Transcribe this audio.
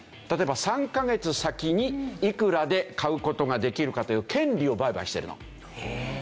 例えば３か月先にいくらで買う事ができるかという権利を売買してるの。